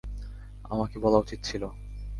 আমাকে বলা উচিত ছিলো!